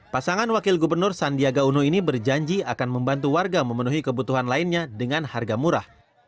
pasangan wakil gubernur sandiaga uno ini berjanji akan membantu warga memenuhi kebutuhan lainnya dengan harga murah